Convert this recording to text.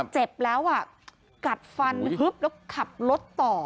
เจ็บแล้วอ่ะกัดฟันฮึบแล้วขับรถต่อ